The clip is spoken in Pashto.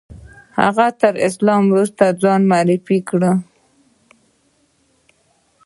هغه تر سلام وروسته ځان معرفي کړ.